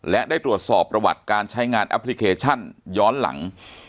และได้ตรวจสอบประวัติการใช้งานแอปพลิเคชันย้อนหลัง